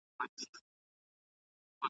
خو ما یوه شېبه خپل زړه تش کړ .